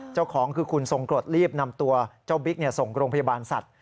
เจ้าของคือคุณทรงกรดรีบนำตัวเจ้าบิ๊กส่งโรงพยาบาลสัตว์